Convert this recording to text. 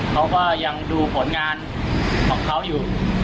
เขาก็ยังดูผลงานของเขาอยู่